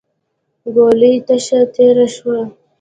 ګولۍ تشه تېره شوه.